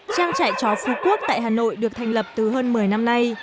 trang trại chó phú quốc tại hà nội được thành lập từ hơn một mươi năm nay